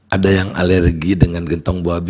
ada yang alergi dengan gentong babi